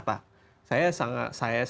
yang di jakarta